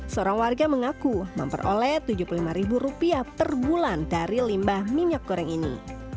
seorang warga mengaku memperoleh rp tujuh puluh lima per bulan dari limbah minyak goreng ini